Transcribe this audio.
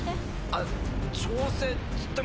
あっ調整っつっても。